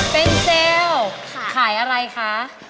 เป็นเจลขายอะไรคะ